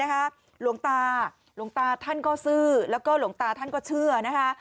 หลวงตาหลวงตาท่านก็ซื่อแล้วก็หลวงตาท่านก็เชื่อนะคะ